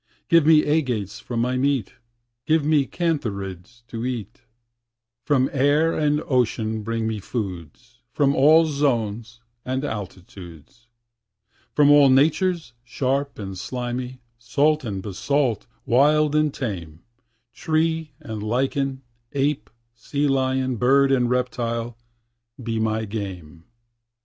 Give me agates for my meat; Give me cantharids to eat; From air and ocean bring me foods, From all zones and altitudes; From all natures, sharp and slimy, Salt and basalt, wild and tame: Tree and lichen, ape, sea lion, Bird, and reptile, be my game.